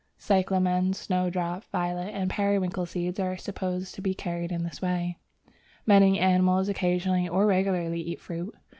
Cyclamen, snowdrop, violet, and periwinkle seeds are supposed to be carried in this way. Many animals occasionally or regularly eat fruits.